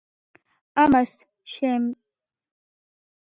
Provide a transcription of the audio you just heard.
ამას შედეგად განქორწინება მოყვება.